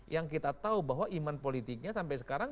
yang kita tahu bahwa iman politiknya sampai sekarang